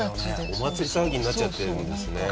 お祭り騒ぎになっちゃってるんですね。